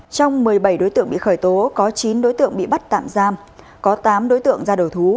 trong một mươi bảy đối tượng bị khởi tố có chín đối tượng bị bắt tạm giam có tám đối tượng ra đầu thú